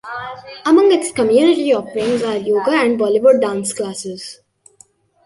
Among its community offerings are yoga and Bollywood dance classes.